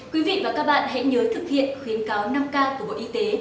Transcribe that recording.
quý vị và các bạn hãy nhớ thực hiện khuyến cáo năm k của bộ y tế